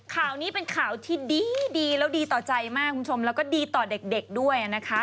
ข่าวนี้เป็นข่าวที่ดีแล้วดีต่อใจมากคุณผู้ชมแล้วก็ดีต่อเด็กด้วยนะคะ